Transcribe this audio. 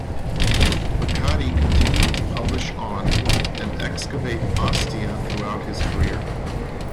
Becatti continued to publish on and excavate Ostia throughout his career.